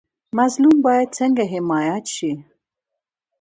مظلوم باید څنګه حمایت شي؟